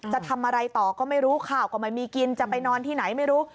จะทำอะไรต่อก็ไม่รู้ข่าวก็ไม่มีกินจะไปนอนที่ไหนไม่รู้